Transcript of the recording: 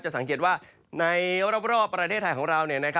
จะสังเกตว่าในประเภทประเทศของเรานี่นะครับ